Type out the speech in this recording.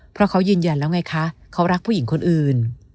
เพราะเขายืนยันแล้วไงคะเขารักผู้หญิงคนอื่น